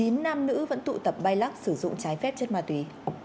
chín nam nữ vẫn tụ tập bay lắc sử dụng trái phép chất ma túy